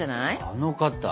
あの方。